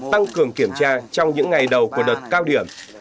tăng cường kiểm tra trong những ngày đầu của đợt cao điểm